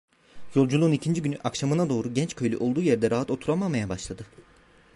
Yolculuğun ikinci günü akşamına doğru genç köylü olduğu yerde rahat oturamamaya başladı.